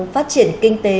phát triển kinh tế